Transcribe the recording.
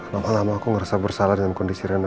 lama lama aku ngerasa bersalah dengan kondisi rendang